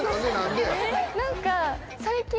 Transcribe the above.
何か。